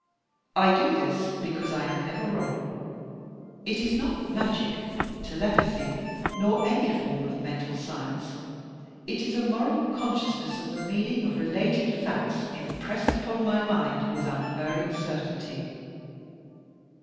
I do this because I am never wrong. It is not magic, telepathy, nor any form of mental science; it is a moral consciousness of the meaning of related facts, impressed upon my mind with tmerring certainty."